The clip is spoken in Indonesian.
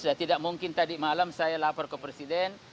sudah tidak mungkin tadi malam saya lapor ke presiden